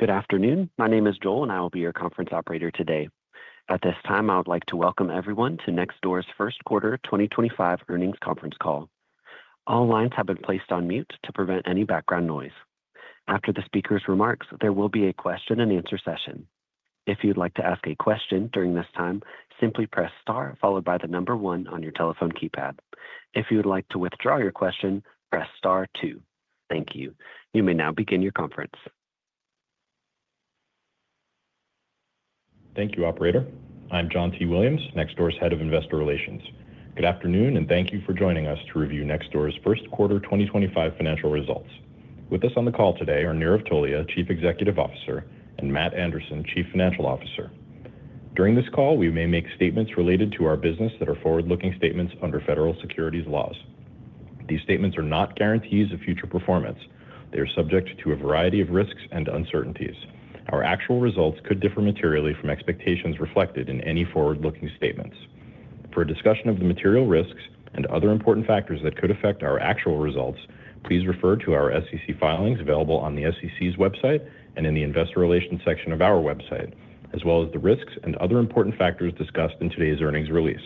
Good afternoon. My name is Joel, and I will be your conference operator today. At this time, I would like to welcome everyone to Nextdoor's first quarter 2025 earnings conference call. All lines have been placed on mute to prevent any background noise. After the speaker's remarks, there will be a question-and-answer session. If you'd like to ask a question during this time, simply press star followed by the number one on your telephone keypad. If you would like to withdraw your question, press star two. Thank you. You may now begin your conference. Thank you, Operator. I'm John T. Williams, Nextdoor's Head of Investor Relations. Good afternoon, and thank you for joining us to review Nextdoor's first quarter 2025 financial results. With us on the call today are Nirav Tolia, Chief Executive Officer, and Matt Anderson, Chief Financial Officer. During this call, we may make statements related to our business that are forward-looking statements under federal securities laws. These statements are not guarantees of future performance. They are subject to a variety of risks and uncertainties. Our actual results could differ materially from expectations reflected in any forward-looking statements. For a discussion of the material risks and other important factors that could affect our actual results, please refer to our SEC filings available on the SEC's website and in the Investor Relations section of our website, as well as the risks and other important factors discussed in today's earnings release.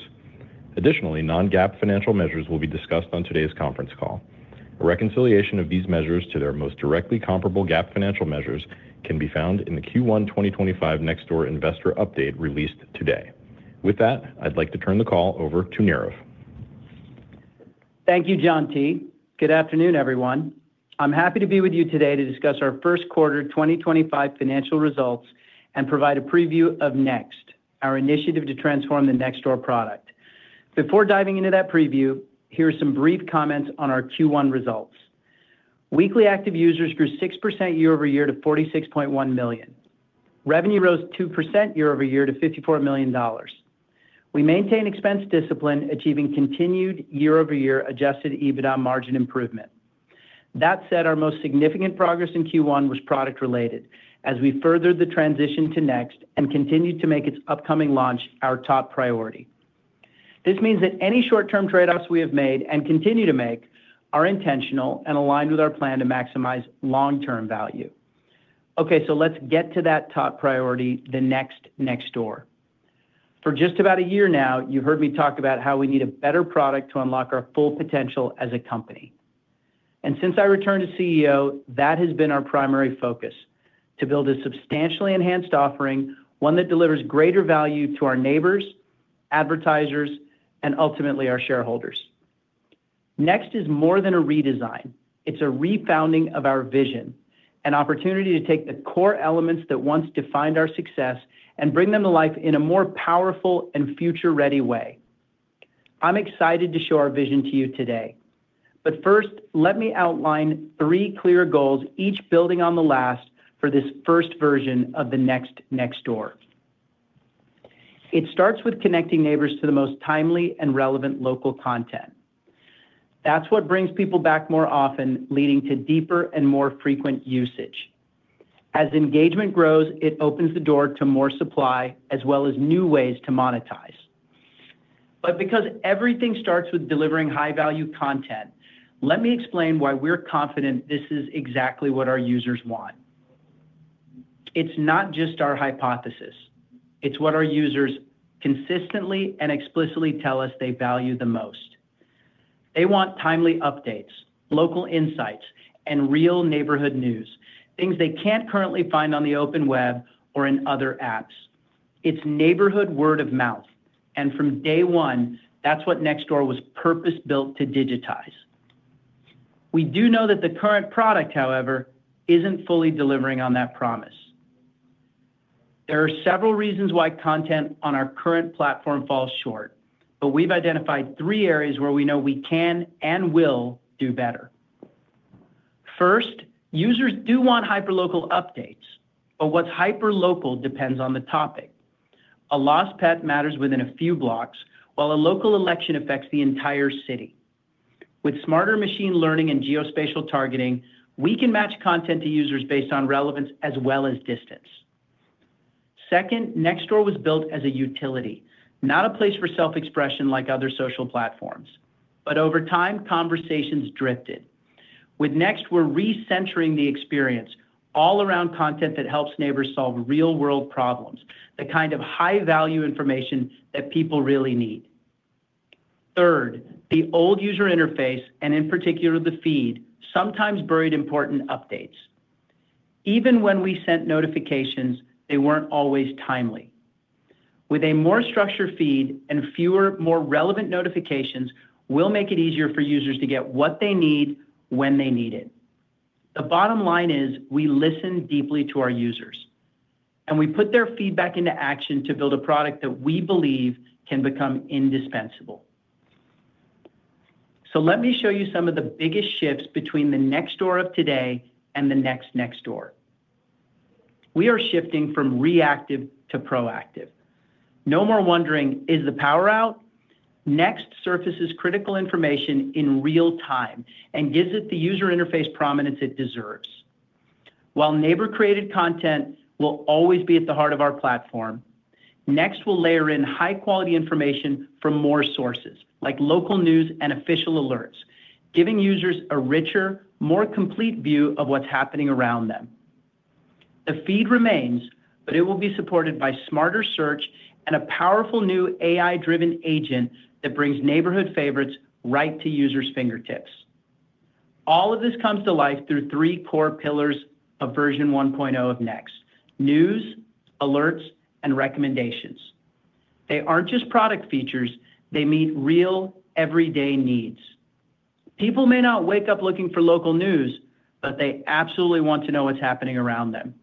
Additionally, non-GAAP financial measures will be discussed on today's conference call. A reconciliation of these measures to their most directly comparable GAAP financial measures can be found in the Q1 2025 Nextdoor Investor Update released today. With that, I'd like to turn the call over to Nirav. Thank you, John T. Good afternoon, everyone. I'm happy to be with you today to discuss our first quarter 2025 financial results and provide a preview of Next, our initiative to transform the Nextdoor product. Before diving into that preview, here are some brief comments on our Q1 results. Weekly active users grew 6% year-over-year to 46.1 million. Revenue rose 2% year-over-year to $54 million. We maintained expense discipline, achieving continued year-over-year adjusted EBITDA margin improvement. That said, our most significant progress in Q1 was product-related, as we furthered the transition to Next and continued to make its upcoming launch our top priority. This means that any short-term trade-offs we have made and continue to make are intentional and aligned with our plan to maximize long-term value. Okay, so let's get to that top priority, the Next Nextdoor. For just about a year now, you've heard me talk about how we need a better product to unlock our full potential as a company. Since I returned as CEO, that has been our primary focus: to build a substantially enhanced offering, one that delivers greater value to our neighbors, advertisers, and ultimately our shareholders. Next is more than a redesign. It is a re-founding of our vision, an opportunity to take the core elements that once defined our success and bring them to life in a more powerful and future-ready way. I'm excited to show our vision to you today. First, let me outline three clear goals, each building on the last, for this first version of the Next Nextdoor. It starts with connecting neighbors to the most timely and relevant local content. That is what brings people back more often, leading to deeper and more frequent usage. As engagement grows, it opens the door to more supply as well as new ways to monetize. Because everything starts with delivering high-value content, let me explain why we're confident this is exactly what our users want. It's not just our hypothesis. It's what our users consistently and explicitly tell us they value the most. They want timely updates, local insights, and real neighborhood news, things they can't currently find on the open web or in other apps. It's neighborhood word of mouth. From day one, that's what Nextdoor was purpose-built to digitize. We do know that the current product, however, isn't fully delivering on that promise. There are several reasons why content on our current platform falls short, but we've identified three areas where we know we can and will do better. First, users do want hyperlocal updates, but what's hyperlocal depends on the topic. A lost pet matters within a few blocks, while a local election affects the entire city. With smarter machine learning and geospatial targeting, we can match content to users based on relevance as well as distance. Second, Nextdoor was built as a utility, not a place for self-expression like other social platforms. Over time, conversations drifted. With Next, we're re-centering the experience all around content that helps neighbors solve real-world problems, the kind of high-value information that people really need. Third, the old user interface, and in particular the feed, sometimes buried important updates. Even when we sent notifications, they were not always timely. With a more structured feed and fewer, more relevant notifications, we will make it easier for users to get what they need when they need it. The bottom line is we listen deeply to our users, and we put their feedback into action to build a product that we believe can become indispensable. Let me show you some of the biggest shifts between the Nextdoor of today and the Next Nextdoor. We are shifting from reactive to proactive. No more wondering, "Is the power out?" Next surfaces critical information in real time and gives it the user interface prominence it deserves. While neighbor-created content will always be at the heart of our platform, Next will layer in high-quality information from more sources, like local news and official alerts, giving users a richer, more complete view of what's happening around them. The feed remains, but it will be supported by smarter search and a powerful new AI-driven agent that brings neighborhood favorites right to users' fingertips. All of this comes to life through three core pillars of version 1.0 of Next: news, alerts, and recommendations. They are not just product features. They meet real, everyday needs. People may not wake up looking for local news, but they absolutely want to know what is happening around them.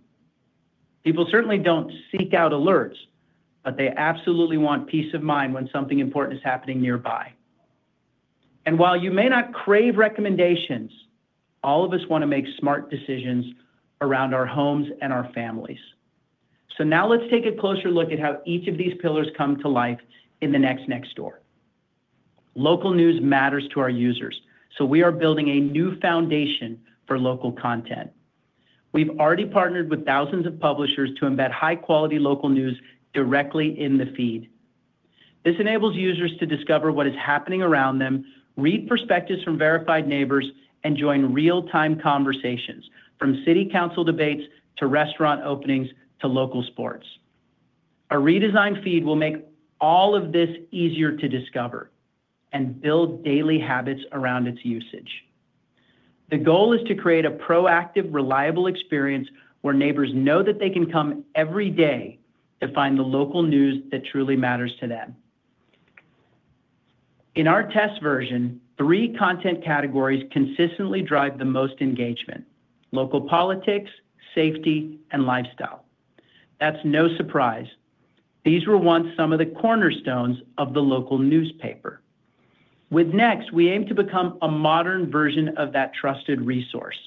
People certainly do not seek out alerts, but they absolutely want peace of mind when something important is happening nearby. While you may not crave recommendations, all of us want to make smart decisions around our homes and our families. Now let's take a closer look at how each of these pillars come to life in the Next Nextdoor. Local news matters to our users, so we are building a new foundation for local content. We have already partnered with thousands of publishers to embed high-quality local news directly in the feed. This enables users to discover what is happening around them, read perspectives from verified neighbors, and join real-time conversations, from city council debates to restaurant openings to local sports. A redesigned feed will make all of this easier to discover and build daily habits around its usage. The goal is to create a proactive, reliable experience where neighbors know that they can come every day to find the local news that truly matters to them. In our test version, three content categories consistently drive the most engagement: local politics, safety, and lifestyle. That's no surprise. These were once some of the cornerstones of the local newspaper. With Next, we aim to become a modern version of that trusted resource,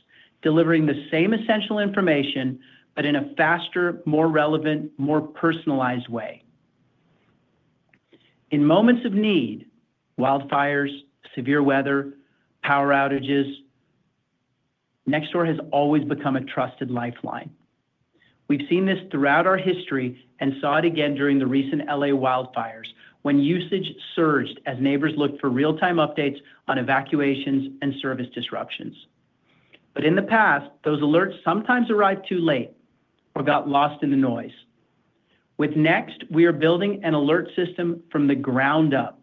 delivering the same essential information, but in a faster, more relevant, more personalized way. In moments of need—wildfires, severe weather, power outages—Nextdoor has always become a trusted lifeline. We've seen this throughout our history and saw it again during the recent LA wildfires when usage surged as neighbors looked for real-time updates on evacuations and service disruptions. In the past, those alerts sometimes arrived too late or got lost in the noise. With Next, we are building an alert system from the ground up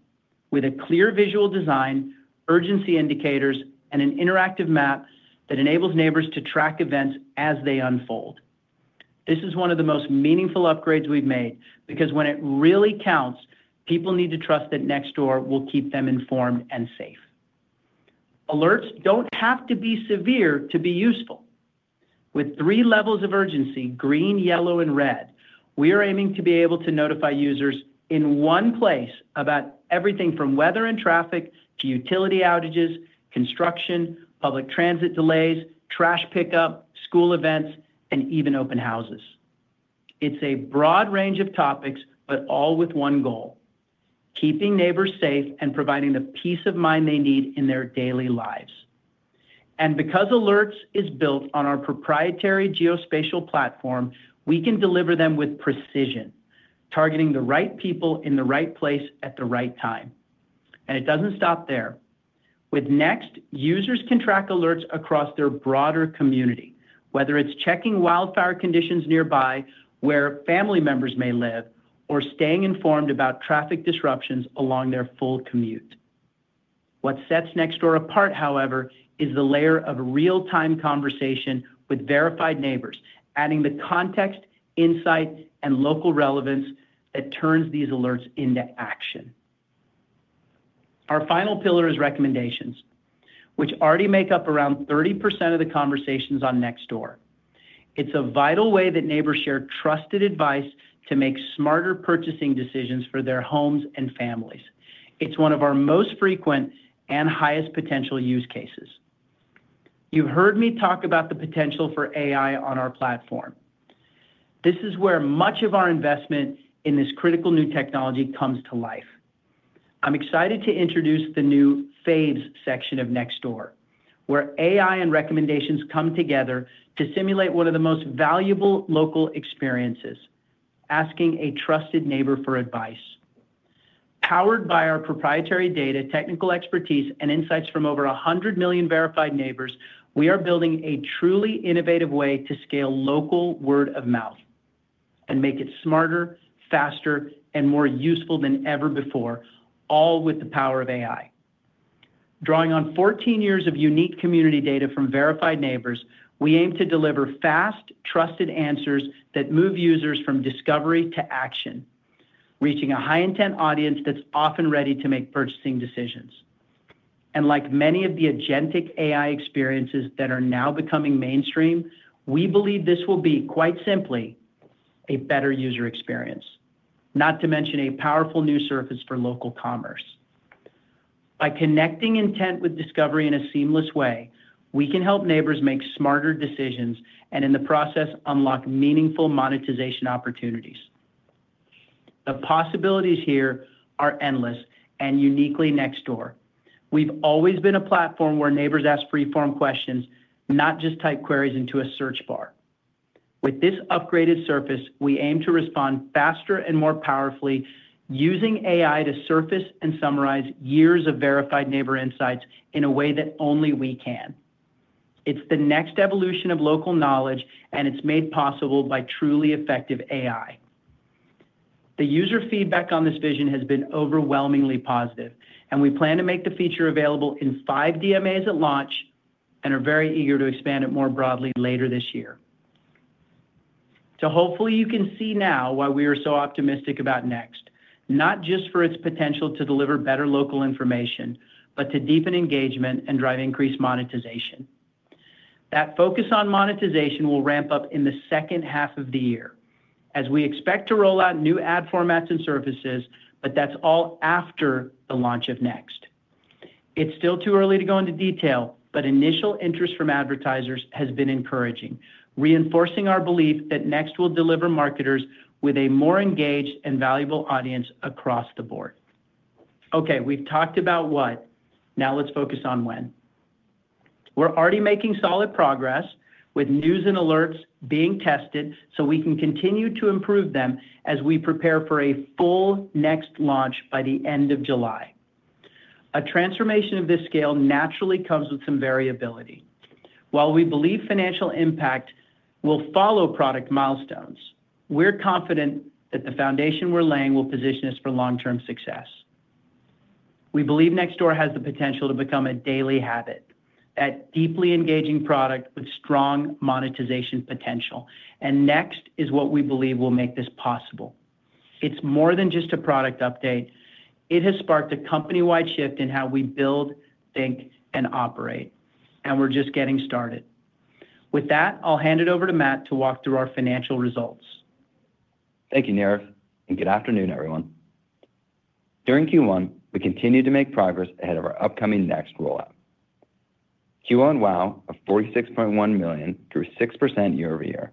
with a clear visual design, urgency indicators, and an interactive map that enables neighbors to track events as they unfold. This is one of the most meaningful upgrades we've made because when it really counts, people need to trust that Nextdoor will keep them informed and safe. Alerts do not have to be severe to be useful. With three levels of urgency—green, yellow, and red—we are aiming to be able to notify users in one place about everything from weather and traffic to utility outages, construction, public transit delays, trash pickup, school events, and even open houses. It is a broad range of topics, but all with one goal: keeping neighbors safe and providing the peace of mind they need in their daily lives. Because Alerts is built on our proprietary geospatial platform, we can deliver them with precision, targeting the right people in the place at the right time. It does not stop there. With Next, users can track alerts across their broader community, whether it is checking wildfire conditions nearby where family members may live or staying informed about traffic disruptions along their full commute. What sets Nextdoor apart, however, is the layer of real-time conversation with verified neighbors, adding the context, insight, and local relevance that turns these alerts into action. Our final pillar is recommendations, which already make up around 30% of the conversations on Nextdoor. It's a vital way that neighbors share trusted advice to make smarter purchasing decisions for their homes and families. It's one of our most frequent and highest potential use cases. You've heard me talk about the potential for AI on our platform. This is where much of our investment in this critical new technology comes to life. I'm excited to introduce the new Faves section of Nextdoor, where AI and recommendations come together to simulate one of the most valuable local experiences: asking a trusted neighbor for advice. Powered by our proprietary data, technical expertise, and insights from over 100 million verified neighbors, we are building a truly innovative way to scale local word of mouth and make it smarter, faster, and more useful than ever before, all with the power of AI. Drawing on 14 years of unique community data from verified neighbors, we aim to deliver fast, trusted answers that move users from discovery to action, reaching a high-intent audience that's often ready to make purchasing decisions. Like many of the agentic AI experiences that are now becoming mainstream, we believe this will be, quite simply, a better user experience, not to mention a powerful new surface for local commerce. By connecting intent with discovery in a seamless way, we can help neighbors make smarter decisions and, in the process, unlock meaningful monetization opportunities. The possibilities here are endless and uniquely Nextdoor. We've always been a platform where neighbors ask free-form questions, not just type queries into a search bar. With this upgraded surface, we aim to respond faster and more powerfully, using AI to surface and summarize years of verified neighbor insights in a way that only we can. It's the next evolution of local knowledge, and it's made possible by truly effective AI. The user feedback on this vision has been overwhelmingly positive, and we plan to make the feature available in five DMAs at launch and are very eager to expand it more broadly later this year. Hopefully you can see now why we are so optimistic about Next, not just for its potential to deliver better local information, but to deepen engagement and drive increased monetization. That focus on monetization will ramp up in the second half of the year, as we expect to roll out new ad formats and services, but that's all after the launch of Next. It's still too early to go into detail, but initial interest from advertisers has been encouraging, reinforcing our belief that Next will deliver marketers with a more engaged and valuable audience across the board. Okay, we've talked about what. Now let's focus on when. We're already making solid progress with news and alerts being tested so we can continue to improve them as we prepare for a full Next launch by the end of July. A transformation of this scale naturally comes with some variability. While we believe financial impact will follow product milestones, we're confident that the foundation we're laying will position us for long-term success. We believe Nextdoor has the potential to become a daily habit, that deeply engaging product with strong monetization potential. Next is what we believe will make this possible. It is more than just a product update. It has sparked a company-wide shift in how we build, think, and operate. We are just getting started. With that, I will hand it over to Matt to walk through our financial results. Thank you, Nirav. Good afternoon, everyone. During Q1, we continued to make progress ahead of our upcoming Next rollout. Q1 WAU of46.1 million grew 6% year-over-year,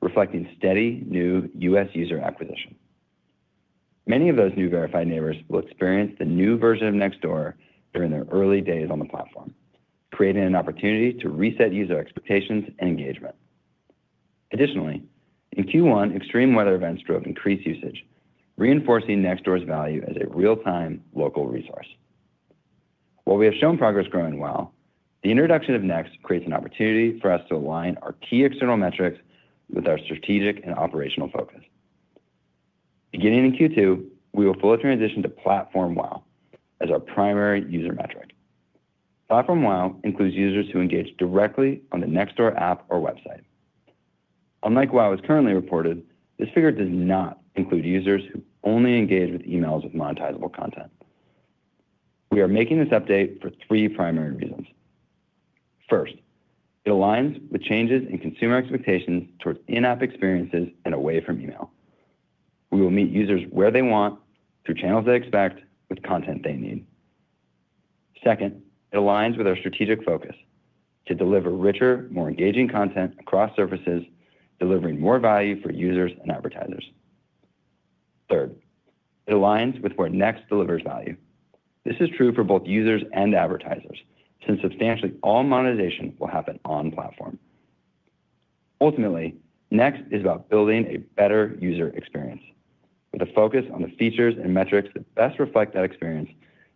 reflecting steady new U.S. user acquisition. Many of those new verified neighbors will experience the new version of Nextdoor during their early days on the platform, creating an opportunity to reset user expectations and engagement. Additionally, in Q1, extreme weather events drove increased usage, reinforcing Nextdoor's value as a real-time local resource. While we have shown progress growing well, the introduction of Next creates an opportunity for us to align our key external metrics with our strategic and operational focus. Beginning in Q2, we will fully transition to Platform WAU as our primary user metric. Platform WAU includes users who engage directly on the Nextdoor app or website. Unlike WAU as currently reported, this figure does not include users who only engage with emails with monetizable content. We are making this update for three primary reasons. First, it aligns with changes in consumer expectations towards in-app experiences and away from email. We will meet users where they want, through channels they expect, with content they need. Second, it aligns with our strategic focus to deliver richer, more engaging content across surfaces, delivering more value for users and advertisers. Third, it aligns with where Next delivers value. This is true for both users and advertisers, since substantially all monetization will happen on platform. Ultimately, Next is about building a better user experience. With a focus on the features and metrics that best reflect that experience,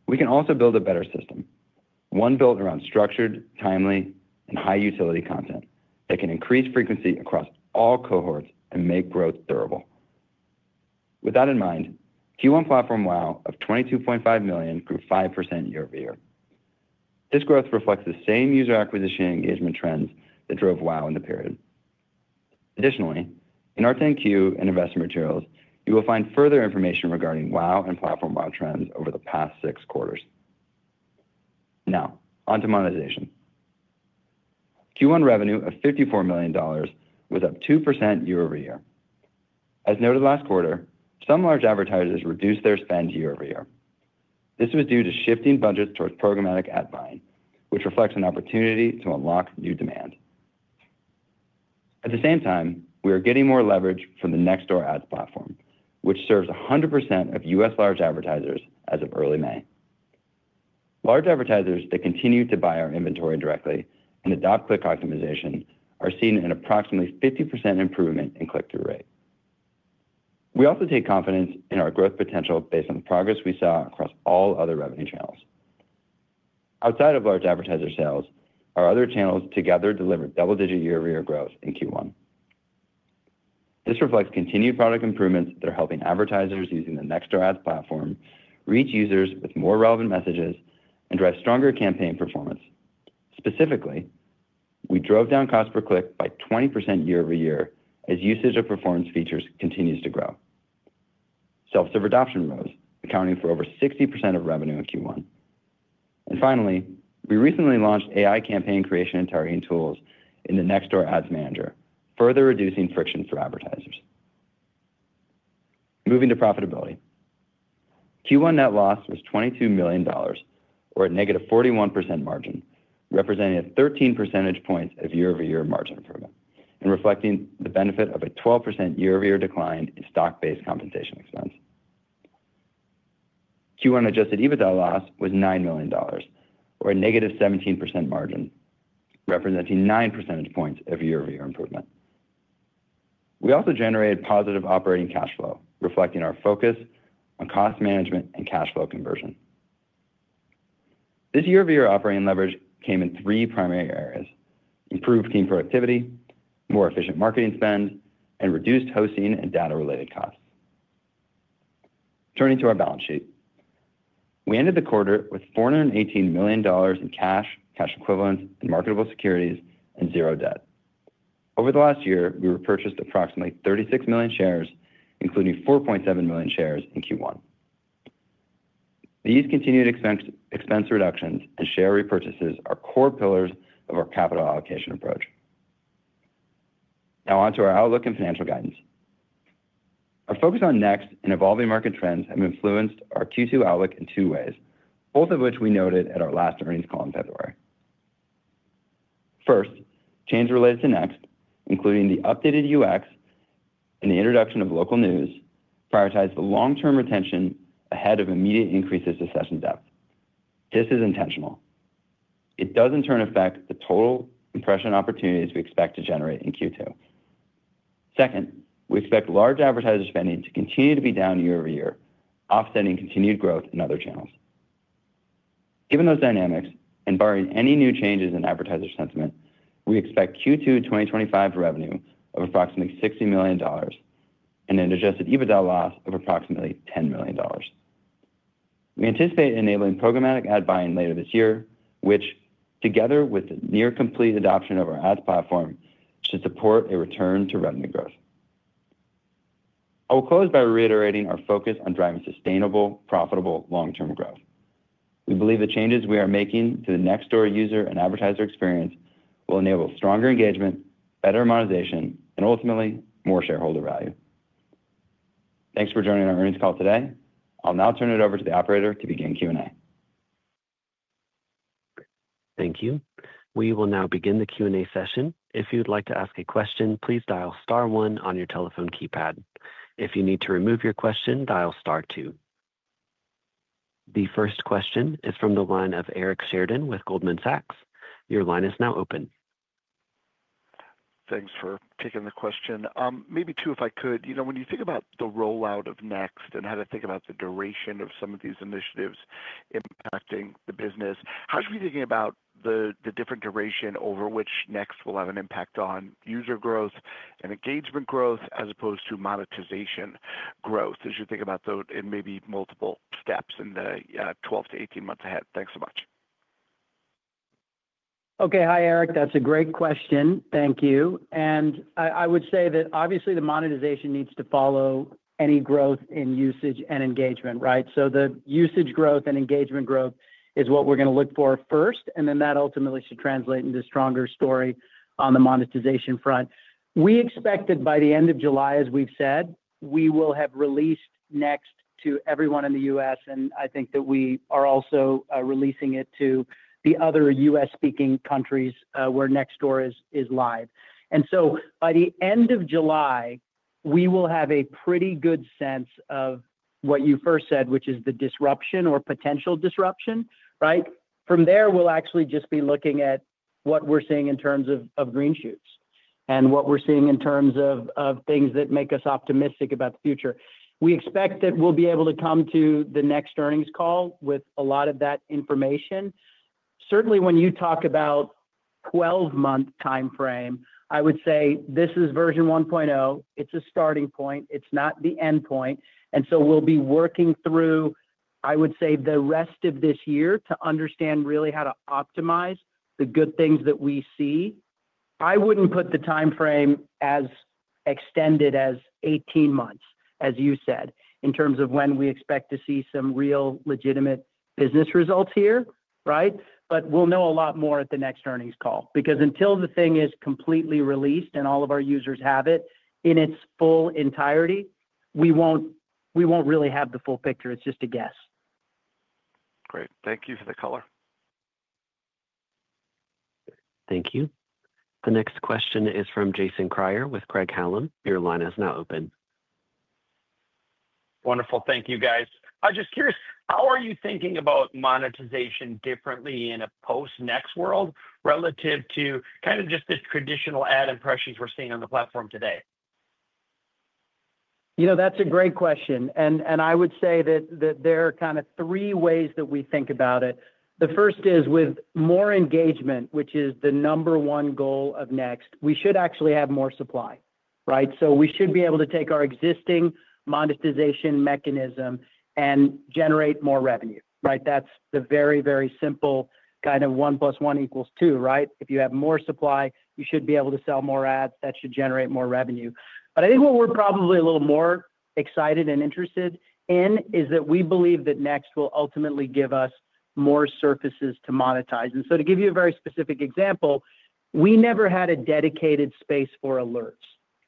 we can also build a better system, one built around structured, timely, and high-utility content that can increase frequency across all cohorts and make growth durable. With that in mind, Q1 Platform WAU of 22.5 million grew 5% year-over-year. This growth reflects the same user acquisition and engagement trends that drove WAU in the period. Additionally, in our 10Q and investment materials, you will find further information regarding WAU and Platform WAU trends over the past six quarters. Now, on to monetization. Q1 revenue of $54 million was up 2% year-over-year. As noted last quarter, some large advertisers reduced their spend year-over-year. This was due to shifting budgets towards programmatic ad buying, which reflects an opportunity to unlock new demand. At the same time, we are getting more leverage from the Nextdoor Ads Platform, which serves 100% of U.S. large advertisers as of early May. Large advertisers that continue to buy our inventory directly and adopt click optimization are seeing an approximately 50% improvement in click-through rate. We also take confidence in our growth potential based on the progress we saw across all other revenue channels. Outside of large advertiser sales, our other channels together delivered double-digit year-over-year growth in Q1. This reflects continued product improvements that are helping advertisers using the Nextdoor Ads Platform reach users with more relevant messages and drive stronger campaign performance. Specifically, we drove down cost per click by 20% year-over-year as usage of performance features continues to grow, self-serve adoption rose, accounting for over 60% of revenue in Q1. We recently launched AI campaign creation and targeting tools in the Nextdoor Ads Manager, further reducing friction for advertisers. Moving to profitability. Q1 net loss was $22 million, or a -41% margin, representing a 13 percentage points of year-over-year margin improvement and reflecting the benefit of a 12% year-over-year decline in stock-based compensation expense. Q1 adjusted EBITDA loss was $9 million, or -17% margin, representing 9 percentage points of year-over-year improvement. We also generated positive operating cash flow, reflecting our focus on cost management and cash flow conversion. This year-over-year operating leverage came in three primary areas: improved team productivity, more efficient marketing spend, and reduced hosting and data-related costs. Turning to our balance sheet, we ended the quarter with $418 million in cash, cash equivalents, and marketable securities, and zero debt. Over the last year, we repurchased approximately 36 million shares, including 4.7 million shares in Q1. These continued expense reductions and share repurchases are core pillars of our capital allocation approach. Now on to our outlook and financial guidance. Our focus on NEXT and evolving market trends have influenced our Q2 outlook in two ways, both of which we noted at our last earnings call in February. First, changes related to Next, including the updated UX and the introduction of local news, prioritized the long-term retention ahead of immediate increases to session depth. This is intentional. It does, in turn, affect the total impression opportunities we expect to generate in Q2. Second, we expect large advertiser spending to continue to be down year-over-year, offsetting continued growth in other channels. Given those dynamics and barring any new changes in advertiser sentiment, we expect Q2 2025 revenue of approximately $60 million and an adjusted EBITDA loss of approximately $10 million. We anticipate enabling programmatic ad buying later this year, which, together with the near-complete adoption of our Ads platform, should support a return to revenue growth. I will close by reiterating our focus on driving sustainable, profitable long-term growth. We believe the changes we are making to the Nextdoor user and advertiser experience will enable stronger engagement, better monetization, and ultimately, more shareholder value. Thanks for joining our earnings call today. I'll now turn it over to the operator to begin Q&A. Thank you. We will now begin the Q&A session. If you'd like to ask a question, please dial star one on your telephone keypad. If you need to remove your question, dial star two. The first question is from the line of Eric Sheridan with Goldman Sachs. Your line is now open. Thanks for taking the question. Maybe two, if I could. You know, when you think about the rollout of Next and how to think about the duration of some of these initiatives impacting the business, how should we be thinking about the different duration over which Next will have an impact on user growth and engagement growth as opposed to monetization growth as you think about those in maybe multiple steps in the 12-18 months ahead? Thanks so much. Okay. Hi, Eric. That's a great question. Thank you. I would say that, obviously, the monetization needs to follow any growth in usage and engagement, right? The usage growth and engagement growth is what we're going to look for first, and then that ultimately should translate into a stronger story on the monetization front. We expect that by the end of July, as we've said, we will have released Next to everyone in the U.S., and I think that we are also releasing it to the other U.S.-speaking countries where Nextdoor is live. By the end of July, we will have a pretty good sense of what you first said, which is the disruption or potential disruption, right? From there, we'll actually just be looking at what we're seeing in terms of green shoots and what we're seeing in terms of things that make us optimistic about the future. We expect that we'll be able to come to the next earnings call with a lot of that information. Certainly, when you talk about a 12-month timeframe, I would say this is version 1.0. It's a starting point. It's not the end point. We will be working through, I would say, the rest of this year to understand really how to optimize the good things that we see. I wouldn't put the timeframe as extended as 18 months, as you said, in terms of when we expect to see some real legitimate business results here, right? We'll know a lot more at the next earnings call because until the thing is completely released and all of our users have it in its full entirety, we won't really have the full picture. It's just a guess. Great. Thank you for the color. Thank you. The next question is from Jason Kreyer with Craig-Hallum. Your line is now open. Wonderful. Thank you, guys. I'm just curious, how are you thinking about monetization differently in a post-Next world relative to kind of just the traditional ad impressions we're seeing on the platform today? You know, that's a great question. I would say that there are kind of three ways that we think about it. The first is with more engagement, which is the number one goal of NEXT. We should actually have more supply, right? We should be able to take our existing monetization mechanism and generate more revenue, right? That's the very, very simple kind of 1 + 1 = 2, right? If you have more supply, you should be able to sell more ads. That should generate more revenue. I think what we're probably a little more excited and interested in is that we believe that Next will ultimately give us more surfaces to monetize. To give you a very specific example, we never had a dedicated space for Alerts.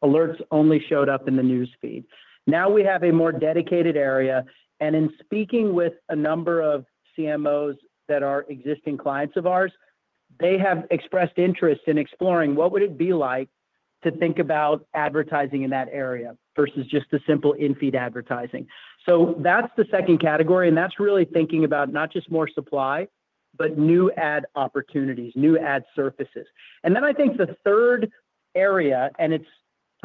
Alerts only showed up in the news feed. Now we have a more dedicated area. In speaking with a number of CMOs that are existing clients of ours, they have expressed interest in exploring what would it be like to think about advertising in that area versus just the simple in-feed advertising. That is the second category. That is really thinking about not just more supply, but new ad opportunities, new ad surfaces. I think the third area, and it's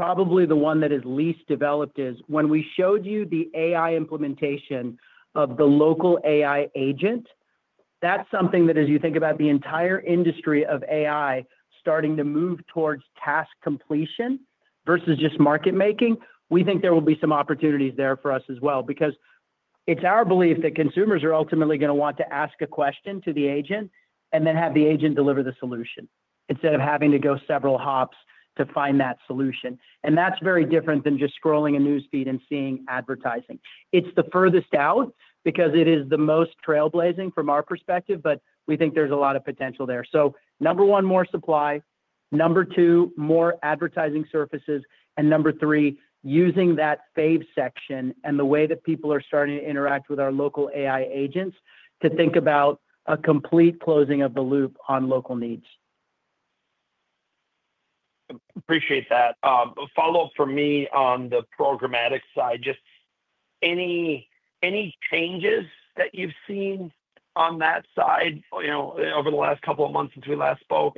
probably the one that is least developed, is when we showed you the AI implementation of the local AI agent, that's something that, as you think about the entire industry of AI starting to move towards task completion versus just market making, we think there will be some opportunities there for us as well because it's our belief that consumers are ultimately going to want to ask a question to the agent and then have the agent deliver the solution instead of having to go several hops to find that solution. That is very different than just scrolling a news feed and seeing advertising. It's the furthest out because it is the most trailblazing from our perspective, but we think there's a lot of potential there. Number one, more supply. Number two, more advertising surfaces. Number three, using that Faves section and the way that people are starting to interact with our local AI agents to think about a complete closing of the loop on local needs. Appreciate that. A follow-up for me on the programmatic side, just any changes that you've seen on that side over the last couple of months since we last spoke?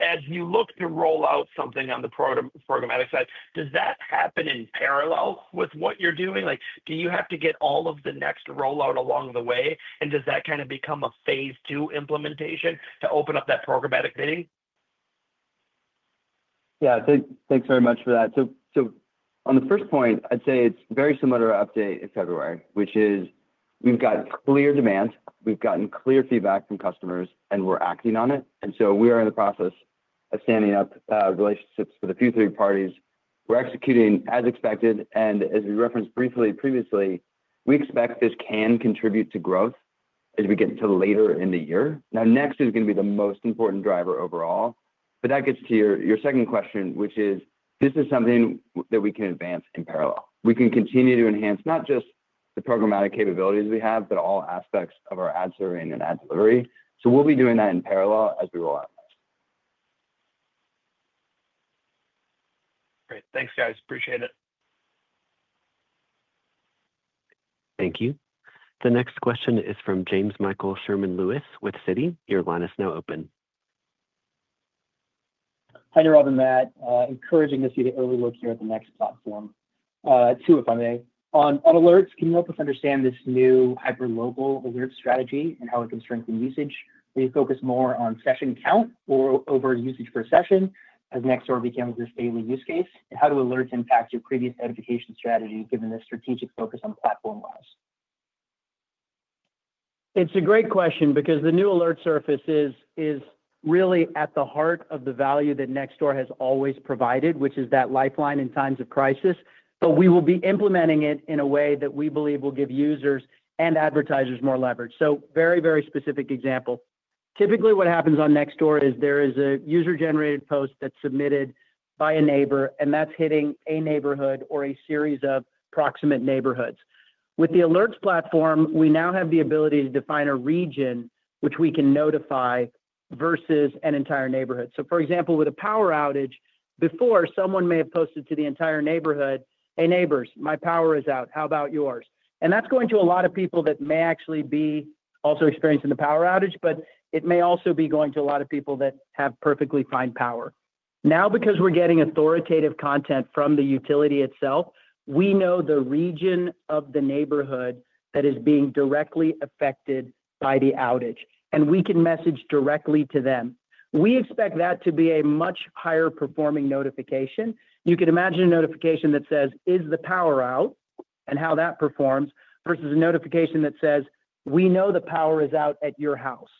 As you look to roll out something on the programmatic side, does that happen in parallel with what you're doing? Like, do you have to get all of the Next rollout along the way? Does that kind of become a phase two implementation to open up that programmatic bidding? Yeah. Thanks very much for that. On the first point, I'd say it's very similar to our update in February, which is we've got clear demand, we've gotten clear feedback from customers, and we're acting on it. We are in the process of standing up relationships with a few third parties. We're executing as expected. As we referenced briefly previously, we expect this can contribute to growth as we get to later in the year. Next is going to be the most important driver overall. That gets to your second question, which is this is something that we can advance in parallel. We can continue to enhance not just the programmatic capabilities we have, but all aspects of our ad serving and ad delivery. We'll be doing that in parallel as we roll out. Great. Thanks, guys. Appreciate it. Thank you. The next question is from Jamemichael Sherman-Lewis with Citi. Your line is now open. Hi, Rob and Matt. Encouraging to see the early look here at the Next platform. Two, if I may. On Alerts, can you help us understand this new hyperlocal alert strategy and how it can strengthen usage? Will you focus more on session count or overall usage per session as NEXT sort of becomes this daily use case? How do alerts impact your previous notification strategy given the strategic focus on platform laws? It's a great question because the new alert surface is really at the heart of the value that Nextdoor has always provided, which is that lifeline in times of crisis. We will be implementing it in a way that we believe will give users and advertisers more leverage. A very, very specific example. Typically, what happens on Nextdoor is there is a user-generated post that's submitted by a neighbor, and that's hitting a neighborhood or a series of proximate neighborhoods. With the alerts platform, we now have the ability to define a region which we can notify versus an entire neighborhood. For example, with a power outage, before someone may have posted to the entire neighborhood, "Hey, neighbors, my power is out. How about yours? That is going to a lot of people that may actually be also experiencing the power outage, but it may also be going to a lot of people that have perfectly fine power. Now, because we are getting authoritative content from the utility itself, we know the region of the neighborhood that is being directly affected by the outage, and we can message directly to them. We expect that to be a much higher-performing notification. You could imagine a notification that says, "Is the power out?" and how that performs versus a notification that says, "We know the power is out at your house,"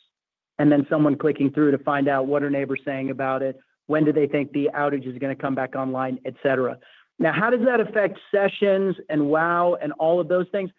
and then someone clicking through to find out what her neighbor is saying about it, when do they think the outage is going to come back online, et cetera. Now, how does that affect sessions and WAU and all of those things?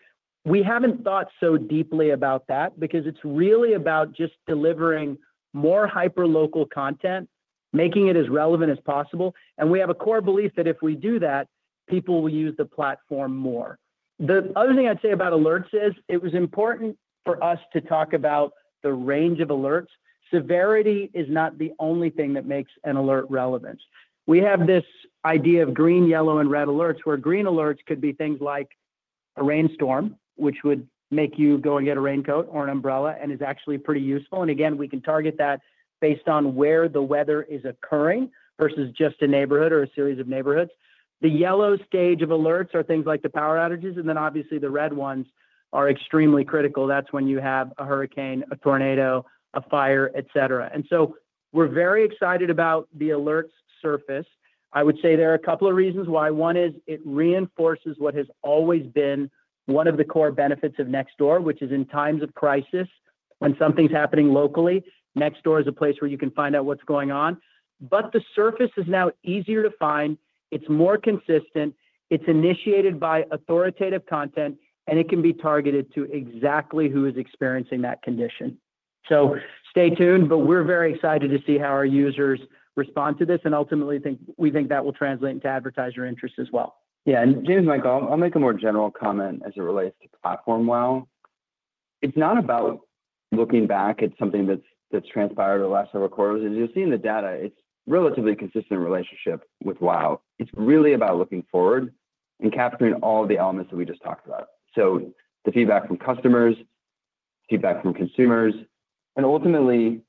We have not thought so deeply about that because it is really about just delivering more hyperlocal content, making it as relevant as possible. We have a core belief that if we do that, people will use the platform more. The other thing I would say about Alerts is it was important for us to talk about the range of alerts. Severity is not the only thing that makes an alert relevant. We have this idea of green, yellow, and red alerts where green alerts could be things like a rainstorm, which would make you go and get a raincoat or an umbrella and is actually pretty useful. Again, we can target that based on where the weather is occurring versus just a neighborhood or a series of neighborhoods. The yellow stage of Alerts are things like the power outages, and then obviously the red ones are extremely critical. That's when you have a hurricane, a tornado, a fire, et cetera. We are very excited about the alerts surface. I would say there are a couple of reasons why. One is it reinforces what has always been one of the core benefits of Nextdoor, which is in times of crisis, when something's happening locally, Nextdoor is a place where you can find out what's going on. The surface is now easier to find. It's more consistent. It's initiated by authoritative content, and it can be targeted to exactly who is experiencing that condition. Stay tuned, we are very excited to see how our users respond to this. Ultimately, we think that will translate into advertiser interest as well. Yeah. And Jamesmichael, I'll make a more general comment as it relates to platform WAU. It's not about looking back at something that's transpired over the last several quarters. As you'll see in the data, it's a relatively consistent relationship with WAU. It's really about looking forward and capturing all of the elements that we just talked about. The feedback from customers, feedback from consumers. Ultimately,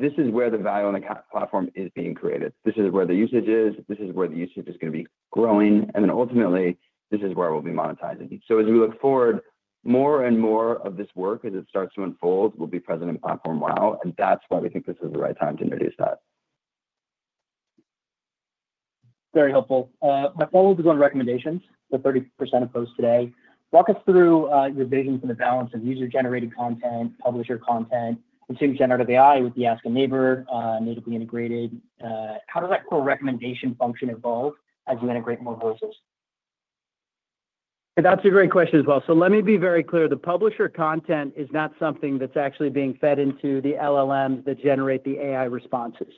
this is where the value on the platform is being created. This is where the usage is. This is where the usage is going to be growing. Ultimately, this is where we'll be monetizing. As we look forward, more and more of this work as it starts to unfold will be present in platform WAU. That's why we think this is the right time to introduce that. Very helpful. My follow-up is on recommendations, the 30% of posts today. Walk us through your vision for the balance of user-generated content, publisher content, and same generative AI with the Ask a Neighbor, natively integrated. How does that core recommendation function evolve as you integrate more voices? That's a great question as well. Let me be very clear. The publisher content is not something that's actually being fed into the LLMs that generate the AI responses.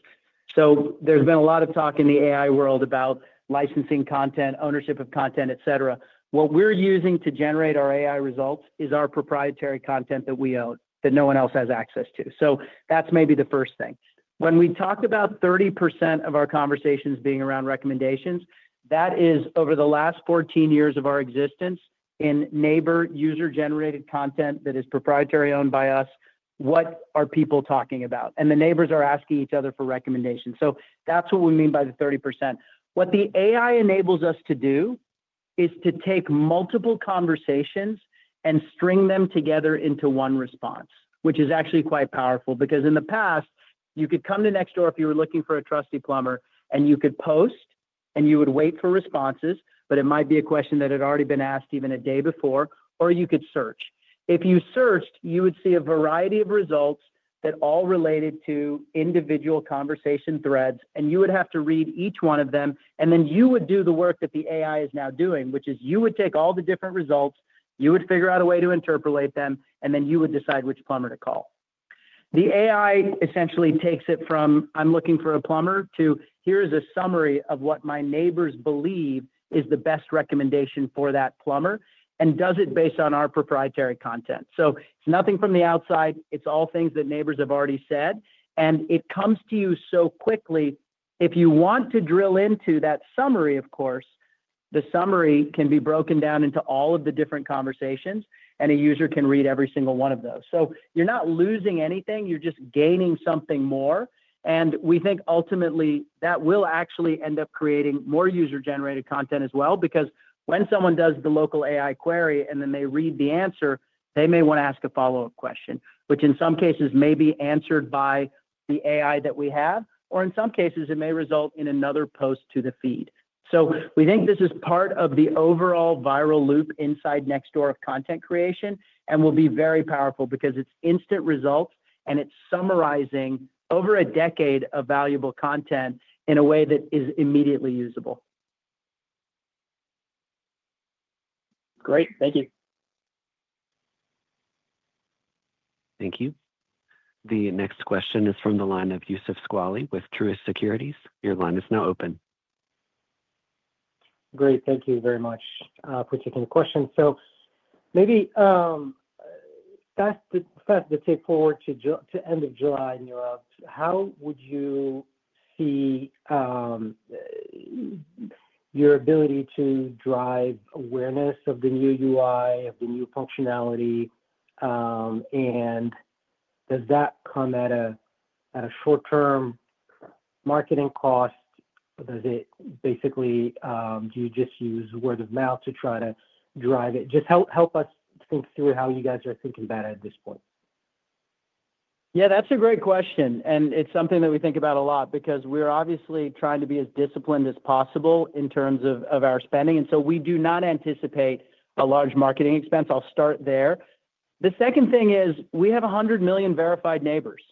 There's been a lot of talk in the AI world about licensing content, ownership of content, et cetera. What we're using to generate our AI results is our proprietary content that we own that no one else has access to. That's maybe the first thing. When we talked about 30% of our conversations being around recommendations, that is over the last 14 years of our existence in neighbor user-generated content that is proprietary owned by us, what are people talking about? The neighbors are asking each other for recommendations. That's what we mean by the 30%. What the AI enables us to do is to take multiple conversations and string them together into one response, which is actually quite powerful because in the past, you could come to Nextdoor if you were looking for a trusty plumber, and you could post, and you would wait for responses, but it might be a question that had already been asked even a day before, or you could search. If you searched, you would see a variety of results that all related to individual conversation threads, and you would have to read each one of them. You would do the work that the AI is now doing, which is you would take all the different results, you would figure out a way to interpolate them, and then you would decide which plumber to call. The AI essentially takes it from, "I'm looking for a plumber," to, "Here is a summary of what my neighbors believe is the best recommendation for that plumber," and does it based on our proprietary content. It is nothing from the outside. It is all things that neighbors have already said. It comes to you so quickly. If you want to drill into that summary, of course, the summary can be broken down into all of the different conversations, and a user can read every single one of those. You are not losing anything. You are just gaining something more. We think ultimately that will actually end up creating more user-generated content as well because when someone does the local AI query and then they read the answer, they may want to ask a follow-up question, which in some cases may be answered by the AI that we have, or in some cases, it may result in another post to the feed. We think this is part of the overall viral loop inside Nextdoor of content creation and will be very powerful because it is instant results, and it is summarizing over a decade of valuable content in a way that is immediately usable. Great. Thank you. Thank you. The next question is from the line of Yousssef Squali with Truist Securities. Your line is now open. Great. Thank you very much for taking the question. Maybe fast forward to end of July in your realm, how would you see your ability to drive awareness of the new UI, of the new functionality? Does that come at a short-term marketing cost? Do you just use word of mouth to try to drive it? Just help us think through how you guys are thinking about it at this point. Yeah, that's a great question. It's something that we think about a lot because we're obviously trying to be as disciplined as possible in terms of our spending. We do not anticipate a large marketing expense. I'll start there. The second thing is we have 100 million verified neighbors.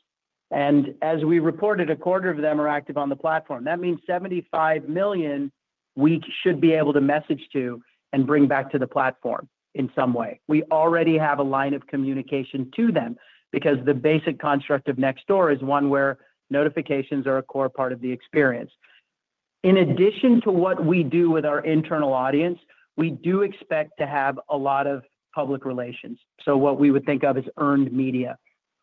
As we reported, a quarter of them are active on the platform. That means 75 million we should be able to message to and bring back to the platform in some way. We already have a line of communication to them because the basic construct of Nextdoor is one where notifications are a core part of the experience. In addition to what we do with our internal audience, we do expect to have a lot of public relations. What we would think of as earned media.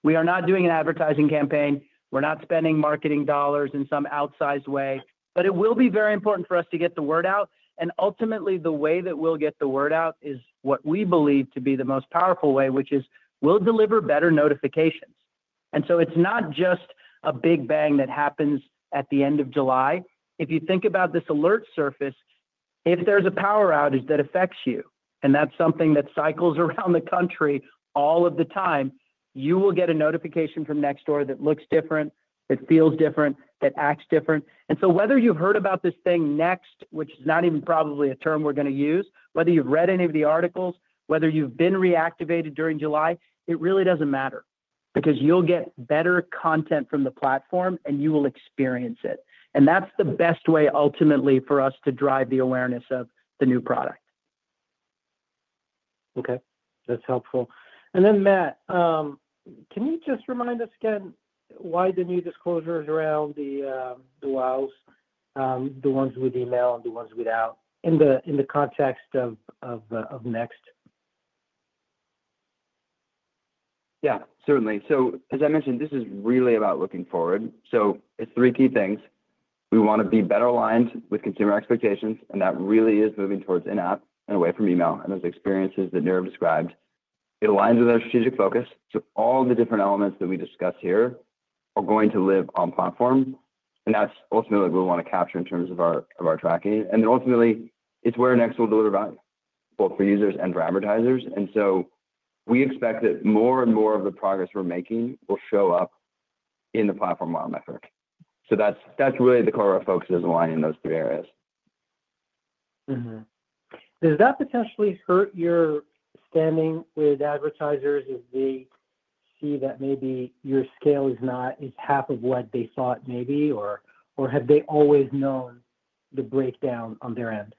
We are not doing an advertising campaign. We're not spending marketing dollars in some outsized way. It will be very important for us to get the word out. Ultimately, the way that we'll get the word out is what we believe to be the most powerful way, which is we'll deliver better notifications. It is not just a big bang that happens at the end of July. If you think about this alert surface, if there's a power outage that affects you, and that's something that cycles around the country all of the time, you will get a notification from Nextdoor that looks different, that feels different, that acts different. Whether you've heard about this thing Next, which is not even probably a term we're going to use, whether you've read any of the articles, whether you've been reactivated during July, it really doesn't matter because you'll get better content from the platform, and you will experience it. That's the best way ultimately for us to drive the awareness of the new product. Okay. That's helpful. Matt, can you just remind us again why the new disclosure is around the WAUs, the ones with email and the ones without, in the context of Next? Yeah, certainly. As I mentioned, this is really about looking forward. It is three key things. We want to be better aligned with consumer expectations, and that really is moving towards in-app and away from email. Those experiences that Nirav described, it aligns with our strategic focus. All the different elements that we discussed here are going to live on platform. That is ultimately what we want to capture in terms of our tracking. Ultimately, it is where Next will deliver value, both for users and for advertisers. We expect that more and more of the progress we are making will show up in the platform WAU metric. That is really the core of our focus, aligned in those three areas. Does that potentially hurt your standing with advertisers if they see that maybe your scale is half of what they thought maybe, or have they always known the breakdown on their end?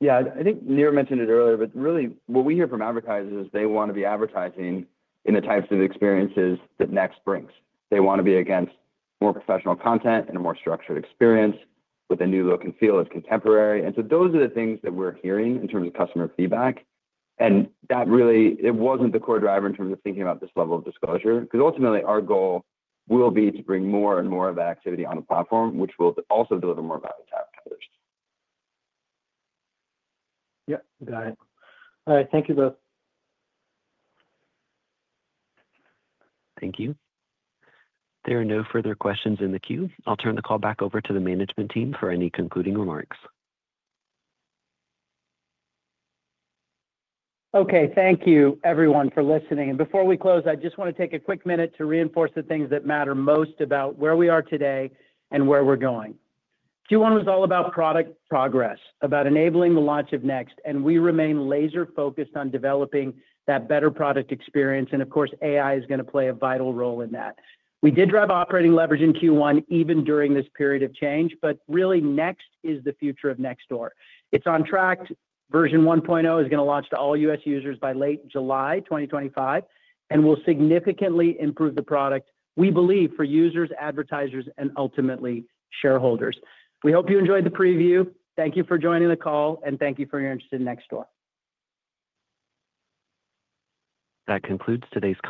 Yeah. I think Nirav mentioned it earlier, but really what we hear from advertisers is they want to be advertising in the types of experiences that Next brings. They want to be against more professional content and a more structured experience with a new look and feel that's contemporary. Those are the things that we're hearing in terms of customer feedback. That really wasn't the core driver in terms of thinking about this level of disclosure because ultimately our goal will be to bring more and more of that activity on the platform, which will also deliver more value to advertisers. Yeah. Got it. All right. Thank you both. Thank you. There are no further questions in the queue. I'll turn the call back over to the management team for any concluding remarks. Okay. Thank you, everyone, for listening. Before we close, I just want to take a quick minute to reinforce the things that matter most about where we are today and where we're going. Q1 was all about product progress, about enabling the launch of Next, and we remain laser-focused on developing that better product experience. Of course, AI is going to play a vital role in that. We did drive operating leverage in Q1 even during this period of change, but really Next is the future of Nextdoor. It's on track. Version 1.0 is going to launch to all US users by late July 2025 and will significantly improve the product, we believe, for users, advertisers, and ultimately shareholders. We hope you enjoyed the preview. Thank you for joining the call, and thank you for your interest in Nextdoor. That concludes today's conference.